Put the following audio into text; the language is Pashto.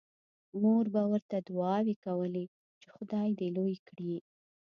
مور به ورته دعاوې کولې چې خدای دې لوی کړي